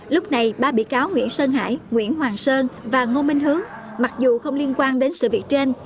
lúc này ba bị cáo nguyễn sơn hải nguyễn hoàng sơn và ngô minh hướng mặc dù không liên quan đến sự việc trên